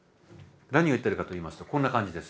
何を言ってるかといいますとこんな感じです。